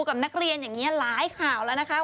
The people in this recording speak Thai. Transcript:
กับนักเรียนอย่างนี้หลายข่าวแล้วนะคะ